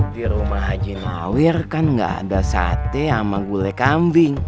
di rumah haji nawir kan nggak ada sate sama gulai kambing